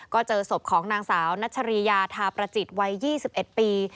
ก็เจอศพของนางสาวนัชริยาทาประจิตวัย๒๑ปี